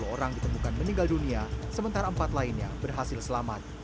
sepuluh orang ditemukan meninggal dunia sementara empat lainnya berhasil selamat